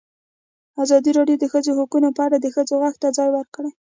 ازادي راډیو د د ښځو حقونه په اړه د ښځو غږ ته ځای ورکړی.